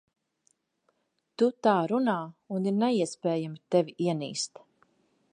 Tu tā runā, un ir neiespējami tevi ienīst.